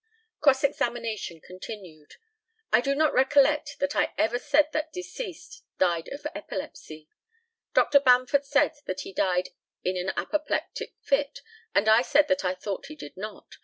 Cross examination continued: I do not recollect that I ever said that deceased died of epilepsy. Dr. Bamford said that he died in an apoplectic fit, and I said that I thought he did not.